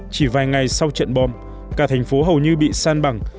chỉ vài ngày sau trận bom cả thành phố hầu như bị san bằng